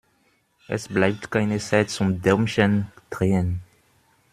Es bleibt keine Zeit zum Däumchen drehen.